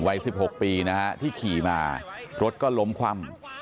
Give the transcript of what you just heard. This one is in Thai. วัย๑๖ปีนะฮะที่ขี่มารถก็ล้มคว่ำ